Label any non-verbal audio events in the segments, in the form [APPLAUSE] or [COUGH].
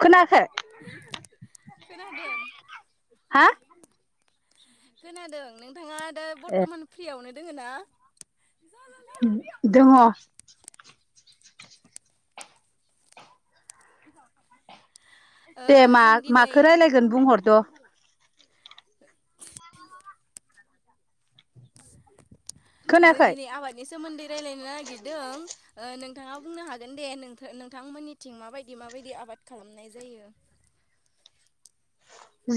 खोनायाखै खोनादोंं हा खोनादों नोंथाङा दा ए बर्थमान फ्रियावनो दोङो ना दङ ओ दे मा जों दिनै माखो रायलायगोन बुंहरद' जों खोनायाखै दिनै आबादनि सोमोन्दै रायलायनो नागिदों ओ नोंथाङा बुंनो हागोन दे नोंथा नोंथांमोननिथिं माबायदि माबायदि आ बाद खालामनाय जायो [INAUDIBLE]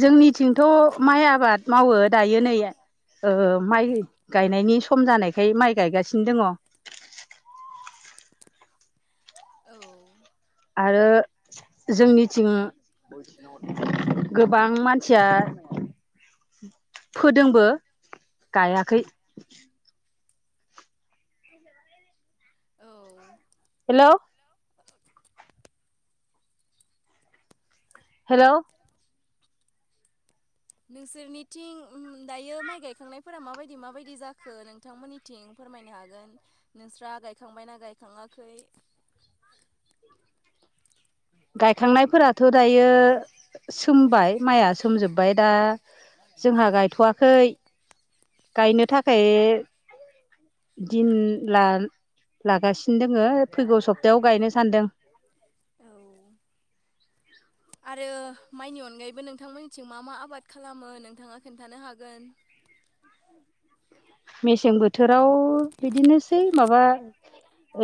जोंनिथिंथ' माइ आबाद मावो दायो नै ओ माइ गायनायनि सम जानायखाय माइ गायगासिनो दङ औ आरो जोंनिथिं गोबां मानसिया फोदोंबो गायाखै औ हेलौ हेलौ नोंसोरनिथिं दायो माइ गायखांनायफोरा माबायदि माबायदि जाखो नोंथांमोननिथिं फोरमायनो हागोन नोंस्रा गायखांबायना गायखाङाखै गायखांनायफोराथ' दायो सोमबाय माया सोमजोब्बाय दा जोंहा गायथ'वाखै गायनो थाखाय दिन लान लागासिनो दोङो फैगौ सप्तायाव गायनो सानदों औ आरो माइनि अनगायैबो नोंथांमोनथिं मा मा आबाद खालामो नोंथाङा खोन्थानो हागोन [INAUDIBLE] मेसें बोथोराव बिदिनोसै माबा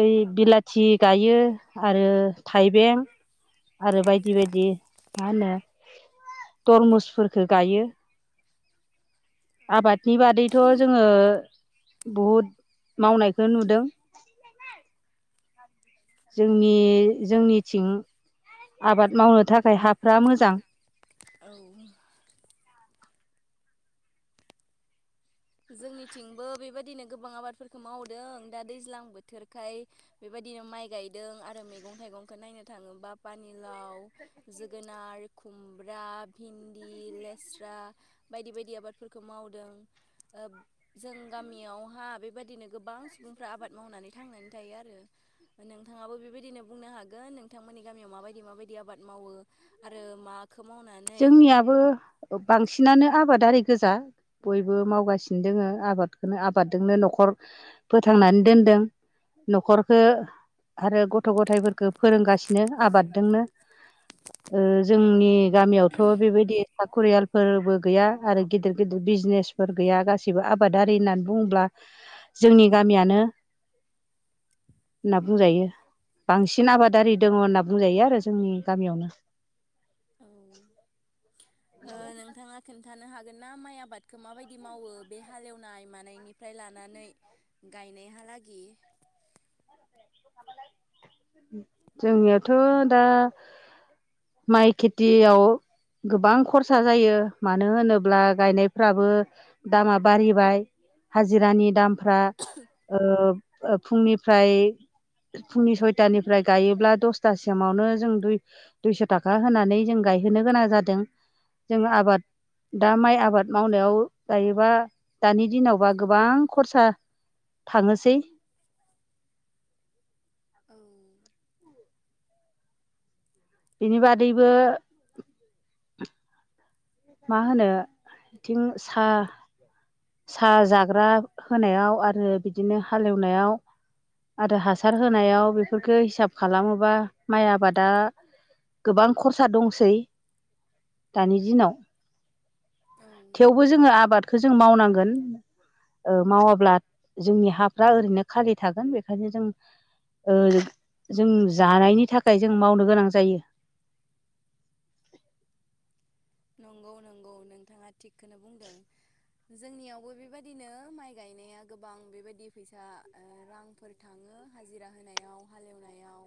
ओइ बिलाथि गायो आरो थाइबें आरो बायदि बायदि मा होनो तरमुसफोरखौ गायो आबादनि बादैथ' जोङो बहुद मावनायखौ नुदों औ जोंनि जोंनिथिं आबाद मावनो थाखाय हाफ्रा मोजां औ जोंनिथिंबो बेबायदिनो गोबां आबादफोरखौ मावदों दा दैज्लां बोथोरखाय बेबायदि यो माइ गायदों आरो मैगं थाइगंखौ नायनो थाङोबा पानिलाव जोगोनार खुमब्रा भिन्दि लेस्रा बायदि बायदि आबादफोरखौ मावदों ओ जों गामियावहा बेबायदिनो गोबां सुबुंफ्रा आबाद मावनानै थांनानै थायो आरो नोंथाङाबो बेबायदिनो बुंनो हागोन नोंथांमोननि गामियाव माबायदि माबायदि आबाद मावो आरो माखौ मावनानै नानो आबादारि गोजा बयबो मावगासिनो दोङो आबादखोनो आबादजोंनो न'खर फोथांनानै दोनदों न'खरखो आरो गथ' गथायफोरखो फोरोंगासिनो आबाद दोंनो ओ जोंनि गामियावथ' बेबायदि साखरियालफोरबो गैया आरो गिदिर गिदिर बिजनेसफोर गैया गासैबो आबादारि होननानै बुंङोब्ला जोंनि गामियानो होनना बुंजायो बांसिन आबादारि दङ होनना बुं बुंजायो आरो जोंनि गामियावनो औ ओ नोंथाङा खोन्थानो हागोन ना माइ आबादखो माबायदि मावो बे हालेवनाय मानायनिफ्राय लानानै गायनायहालागि [UNINTELLIGIBLE] जोंनियाथ' दा माइ खेथियाव गोबां खरसा जायो मानो होनोब्ला गायनायफ्राबो दामा बारिबाय हाजिरानि दामफ्रा ओ ओ फुंनिफ्राय फुंनि सय- तानिफ्राय गायोब्ला दसथासिमावनो जों दुइ दुइस' थाखा होनानै जों गायहोनो गोनां जादों जोङो आबाद दा माइ आबाद मावनायाव जायोबा दानि दिनावबा गोबां खरसा थांङोसै औ बिनि बादैबो मा होनो बिथिं सा सा जाग्रा होनायाव आरो बिदिनो हालेवनायाव आरो हासार होनायाव बेफोरखो हिसाब खालामोबा माइ आबादा गोबां खरसा दंसै दानि दिनाव औ थेवबो जोङो आबादखो जों मावनांगोन ओ मावाब्ला जोंनि हाफ्रा ओरैनो खालि थागोन बेखायनो जों ओ जों जानायनि थाखाय जों मावनो गोनां जायो [UNINTELLIGIBLE] नंगौ नंगौ नोंथाङा थिगखोनो बुंदों जोंनियावबो बेबादिनो माइ गायनाया गोबां बेबायदि फैसा ओ रांफोर थाङो हाजिरा होनायाव हालेवनायाव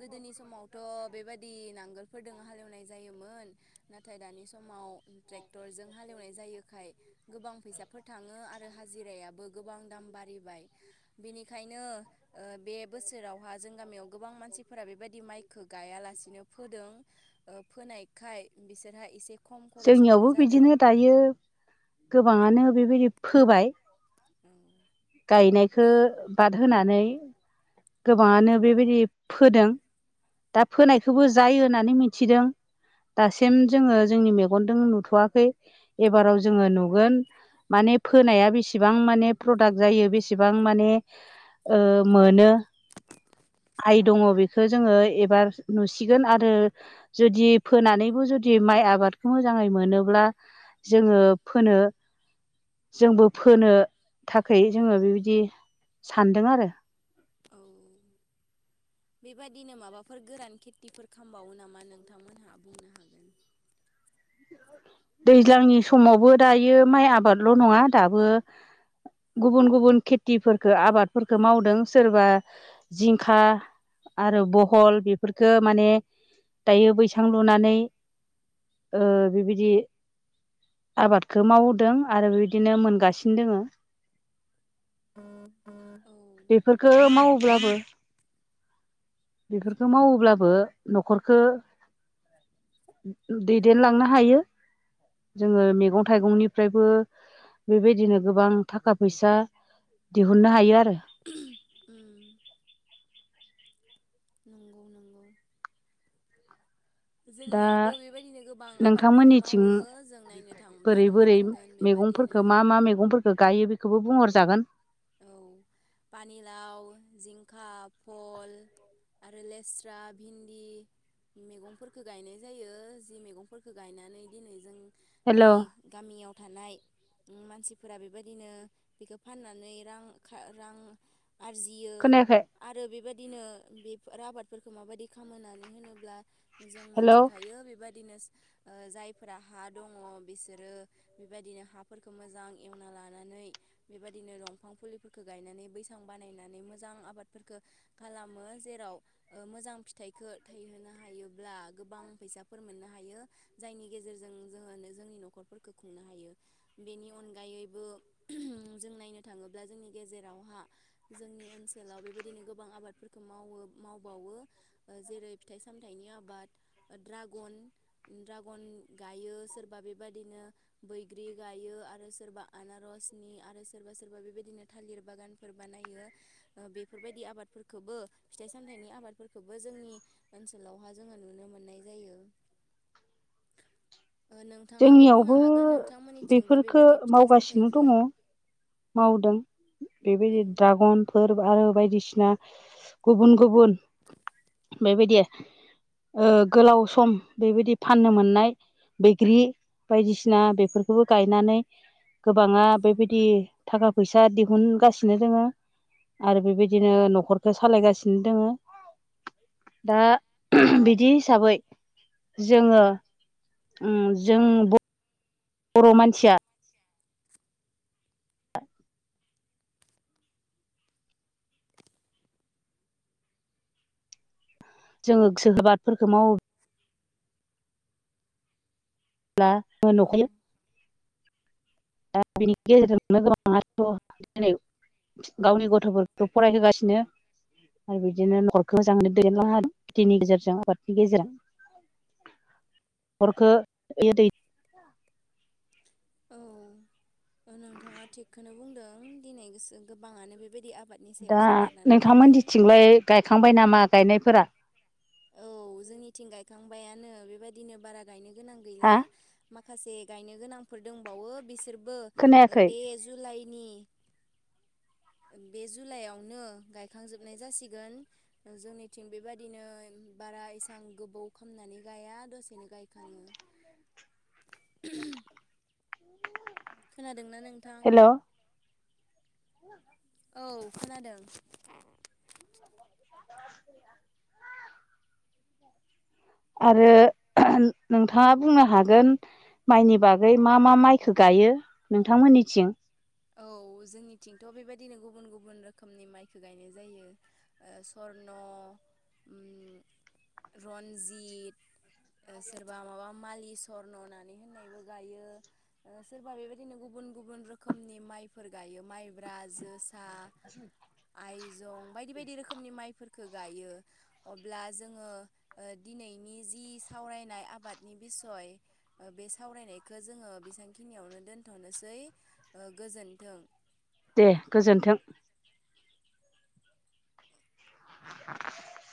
गोदोनि समावथ' बेबादि नांगोलफोरदों हालेवनाय जायोमोन नाथाय दानि समाव ट्रेक्टरजों हालेवनाय जायोखाय गोबां फैसाफोर थाङो आरो हाजिरायाबो गोबां दाम बारिबाय बिनिखायनो ओ बे बोसोरावहा जों गामियाव गोबां मानसिफोरा बेबाय- दि माइखो गायालासिनो फोदों ओ फोनायखाय बिसोरहा इसे जोंनियावबो बिदिनो दायो गोबाङानो बेबायदि फोबाय गायनायखो बाद होनानै गोबाङानो बेबायदि फोदों दा फोनायखौबो जायो होननानै मिथिदों दासेम जोङो जोंनि मेगन मेगनदों नुथ'वाखै एबाराव जोङो नुगोन माने फोनाया बेसेबां माने प्र- प्रदाक्ट जायो बेसेबां माने ओ मोनो आइ दङ बेखो जोङो एबार नुसिगोन आरो जुदि फोनानैबो जुदि माइ आबाद मोजाङै मोनोब्ला जोङो फोनो जोंबो फोनो थाखै जोङो बिबायदि सानदों आरो [UNINTELLIGIBLE] औ बेबादिनो माबाफोर गोरान खेथिफोर खामबावो नामा नोंथांमोनहा बुंनो हागोना [INAUDIBLE] दैज्लांनि समावबो दायो माइ आबादल' नङा दाबो गुबुन गुबुन खेथिफोरफोरखो आबादफोरफोरखो मावदों सोरबा जिंखा आरो बहल बेफोरखो माने दायो बैसां लुनानै ओ बिबादि आबादखो मावदों आरो बिबादिनो मोनगासिनो दोङो औ बेफोरखौ मावोब्लाबो बेफोरखौ मावोब्लाबो न'खरखौ दैदेनलांनो हायो जोङो मैगं थाइगंनिफ्रायबो बेबायदिनो गोबां थाखा फैसा दिहुननो हायो आरो उ नंगौ नंगौ दा जोंनियावबो बेबायदिनो गोबां आबादफोरखौ नोंथांमोननिथिं मावो जों नायनो थाङोब्ला बोरै नुनो बोरै मोनगोन बेबायदि मैगंफोरखौ मा मा मैगंफोरखौ गायो बेखौबो बुंहरजागोन औ पानिलाव, जिंखा, भल आरो लेस्रा, भिन्दि मैगंफोरखौ गायनाय जायो जि मैगंफोरखौ गायनानै दिनै जों हेल' नि गामियाव थानाय मानसिफोरा बेबायदिनो बेखौ फाननानै रां आरजियो खोनायाखै आरो बेबायदि दिनो बेफोर आबादफोरखौ माबायदि खामो होननानै होनोब्ला जों हेल' मोनथिखायो बेबायदिनो ओ [INAUDIBLE] जायफोरा हा दङ बिसोरो बेबायदिनो हाफोरखौ मोजां एवना लानानै बेबायदिनो दं बिफां फुलिफोरखौ गायनानै बैसां बानायनानै मोजां आबादफोरखौ खालामो जेराव मोजां फिथाइखौ थायहोनो हायोब्ला गोबां फैसाफोर मोननो हायो जायनि गेजेरजों जों जोंनि न'खरफोरखौ खुंनो हायो बेनि अनगायैबो जों नायनो थाङोब्ला जोंनि गेजेरावहा जोंनि ओनसोलाव बेबायदिनो गोबां आबादफोरखौ मावो मावबावो जेरै फिथाइ सामथाइनि आबाद द्रागन ड्रागन गायो सोरबा बेबदिनो बैग्रि गायो आरो सोरबा आनारसनि आरो सोरबा सोरबा बेदिनो थालिर बागानफोर बानायो बेफोरबायदि आबादफोरखौबो फिथाइ सामथाइनि आबादफोरखौबो जोंनि ओन- -लावहा जोङो नुनो मोननाय जायो। नोंथाङाबो बुंनो जोंनियावबो हागोन नोंथांमोननिथिंबो बेफोरफोरखो बेबायदि फिथाइ मावगासिनो सामथाइखौ दङ मावदों बेबायदि ड्रागनफोर आरो बायदिसिना गुबुन गुबुन बेबायदि ओ गोलाव सम बेबायदि फाननो मोननाय बैग्रि बायदिसिना बेफोरखौबो गायनानै गोबाङा बेबायदि थाखा फैसा दिहुनगासिनो दोङो आरो बेबायदिनो न'खरखौ सालायगासिनो दोङो दा बिदि हिसाबै जोङो जों बर' मानसिया जोङो [UNINTELLIGIBLE] बादफोरखौ मावो [UNINTELLIGIBLE] नखायो [UNINTELLIGIBLE] गावनि गथ'फोरखौ फरायहोगासिनो आरो बिदिनो न'खरखौ मोजाङैनो दैदेनलाङो आरो खेथिनि गेजेरजों आबादनि गेजेरजों हरखो दै औ नोंथाङा थिगखौनो बुंदों दिनै गोसो गोबाङानो बेबायदि आबाद दा नोंथांमोननिथिंलाय गायखांबाय नामा गायनायफोरा औ जोंनिथिं गायखांबायानो बेबायदिनो बारा गायनो गोनां हा गैला माखासे गायनो गोनां दंबावो बिसोर बो खोनायाखै बे जुलाइ [INAUDIBLE] बे जुलाइआवनो गायखांजोबनाय जासिगोन जोंनिथिं बेबादिनो बारा इसां गोबौ खालामामनानै गाया दसेनो गायखाङो [INAUDIBLE] खोनादोंना नोंथां ह औ खोनादों या [INAUDIBLE] आरो नोंथाङा बुंनो हागोन माइनि बागै मा मा माइखौ गायो नोंथांमोननिथिं औ जोंनिथिंथ' बेबायदिनो गुबुन गुबुन रोखोमनि माइखौ गायनाय जायो ओ सर [UNINTELLIGIBLE] रन्जित ओ सोरबा माबा मालि स्वर्न होननानै होननायबो गायो सोरबा बेबायदिनो गुबुन गुबुन गुबुन रोखोमनि माइफोर गायो माइब्रा जोसा उ [INAUDIBLE] जं बायदि बायदि रोखोमनि माइफोरखौ गायो अब्ला जोङो दिनैनि जि सावरायनाय आबादनि बिसय बे सावरायनायखौ जोङो बेसेबांखिनियावनो दोनथ' थनोसै गोजोनथों दे गोजोन्थों आ [INAUDIBLE]